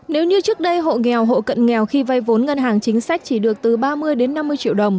nếu như trước đây hộ nghèo hộ cận nghèo khi vay vốn ngân hàng chính sách chỉ được từ ba mươi đến năm mươi triệu đồng